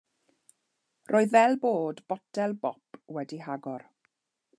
Roedd fel bod potel bop wedi'i hagor.